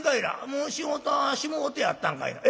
「もう仕事はしもうてやったんかいな？」。